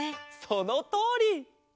そのとおり！